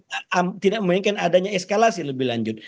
karena tidak menginginkan adanya eskalasi lebih lanjut